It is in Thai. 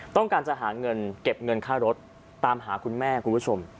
ต้องการจะหาเงินเก็บเงินค่ารถตามหาคุณแม่คุณผู้ชม